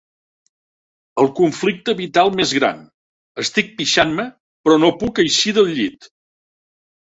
El conflicte vital més gran: estic pixant-me, però no vull eixir del llit.